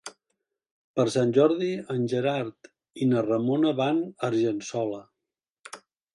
Per Sant Jordi en Gerard i na Ramona van a Argençola.